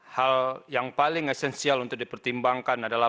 hal yang paling esensial untuk dipertimbangkan adalah